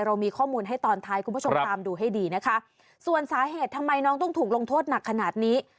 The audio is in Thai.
เรามีข้อมูลให้ตอนท้ายคุณผู้ชมตามดูให้ดีนะคะส่วนสาเหตุทำไมน้องต้องถูกลงโทษหนักขนาดนี้